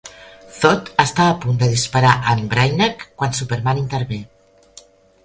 Zod està a punt de disparar a en Brainiac quan Superman intervé.